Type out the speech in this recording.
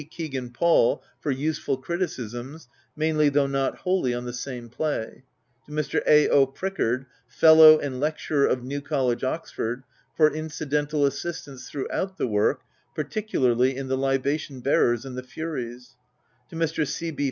Kegan Paul for useful criticisms, mainly, though not wholly, on the same play ; to Mr. A. O. Prickard, Fellow and Lecturer of New College, Oxford, for incidental assistance throughout the work, particularly in The Ubation Bearers and The Furies; to Mr. C. B.